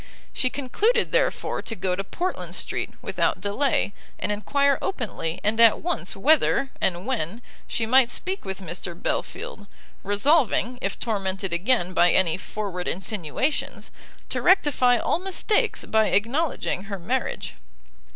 She concluded, therefore, to go to Portland street without delay, and enquire openly and at once whether, and when, she might speak with Mr Belfield; resolving, if tormented again by any forward insinuations, to rectify all mistakes by acknowledging her marriage.